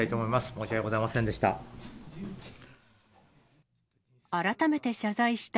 申し訳ございませんでした。